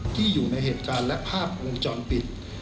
ที่อยู่ในเหตุการณ์และภาพวงจรปิด